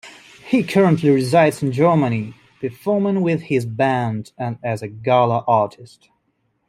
He currently resides in Germany, performing with his band and as a gala artist.